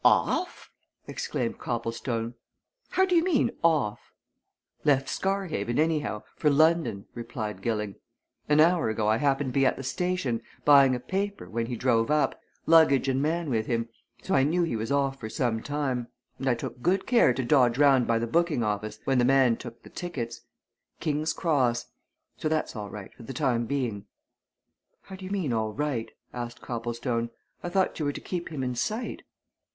"Off!" exclaimed Copplestone. "How do you mean off?" "Left Scarhaven, anyhow for London," replied Gilling. "An hour ago I happened to be at the station, buying a paper, when he drove up luggage and man with him, so I knew he was off for some time. And I took good care to dodge round by the booking office when the man took the tickets. King's Cross. So that's all right, for the time being." "How do you mean all right?" asked Copplestone. "I thought you were to keep him in sight?"